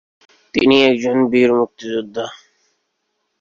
তিনি ছিলেন একজন বীর মুক্তিযোদ্ধা।